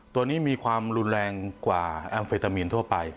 ตัวนี้มีความรุนแรงกว่าแอมเฟตามีนทั่วไป